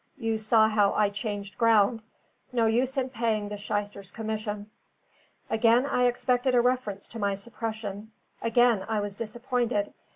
You saw how I changed ground. No use in paying the shyster's commission." Again I expected a reference to my suppression; again I was disappointed.